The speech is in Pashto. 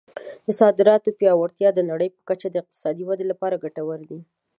د صادراتو پیاوړتیا د نړۍ په کچه د اقتصادي ودې لپاره ګټور دی.